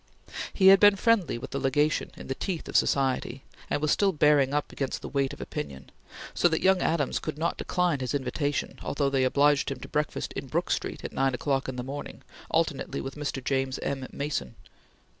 He had been friendly with the Legation, in the teeth of society, and was still bearing up against the weight of opinion, so that young Adams could not decline his invitations, although they obliged him to breakfast in Brook Street at nine o'clock in the morning, alternately with Mr. James M. Mason.